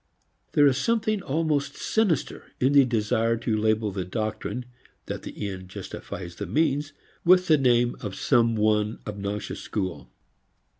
There is something almost sinister in the desire to label the doctrine that the end justifies the means with the name of some one obnoxious school.